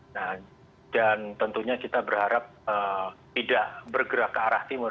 nah dan tentunya kita berharap tidak bergerak ke arah timur